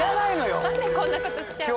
何でこんな事しちゃうの？